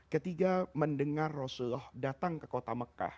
ketika mendengar rasulullah datang ke kota mekah